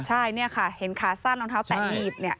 ใช่เนี่ยค่ะเห็นขาสั้นรองเท้าแตะหนีบ